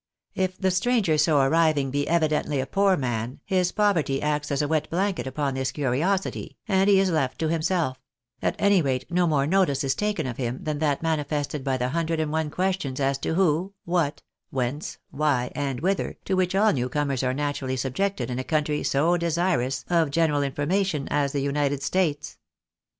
If the stranger so arriving be evidently a poor man, his poverty acts as a wet blanket upon this curiosity, and he is left to himself; at any rate no more notice is taken of him than that manifested by the hundred and one questions as to who, what, whence, why, and whither, to which all new comers are naturally subjected in a country so desirous of general information as the United States.